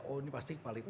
oh ini pasti kualitas